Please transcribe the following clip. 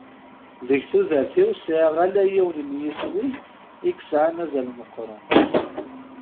Deg tudert-iw sɛiɣ ala yiwen n yiswi i yesɛan azal meqqren.